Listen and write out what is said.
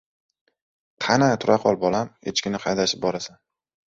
— Qani, tura qol, bolam, echkini haydashib borasan.